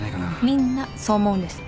みんなそう思うんです。